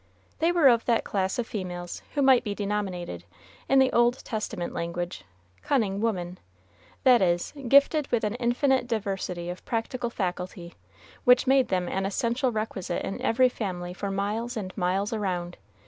They were of that class of females who might be denominated, in the Old Testament language, "cunning women," that is, gifted with an infinite diversity of practical "faculty," which made them an essential requisite in every family for miles and miles around.